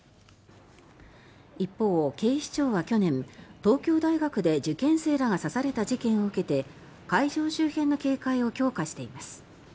一方、警視庁は去年東京大学で受験生らが刺された事件を受け会場周辺の警戒を強化しています。